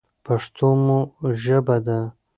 پښتو مو ژبه ده.